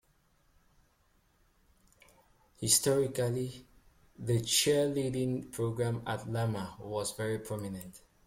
Historically the cheerleading program at Lamar was very prominent.